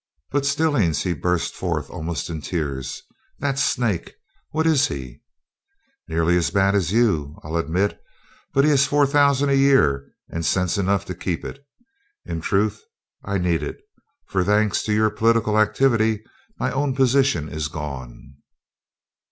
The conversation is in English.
"But, Stillings!" he burst forth, almost in tears. "The snake what is he?" "Nearly as bad as you, I'll admit; but he has four thousand a year and sense enough to keep it. In truth, I need it; for, thanks to your political activity, my own position is gone."